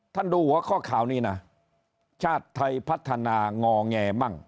ดูหัวข้อข่าวนี้นะชาติไทยพัฒนางอแงมั่ง